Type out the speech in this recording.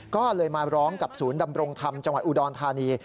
ก็เลยมาร้องกับศูนย์ดำรงธรรมจังหวัดอุดรธานี